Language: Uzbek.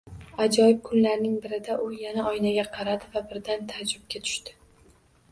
Ajoyib kunlarning birida u yana oynaga qaradi va birdan taajjubga tushdi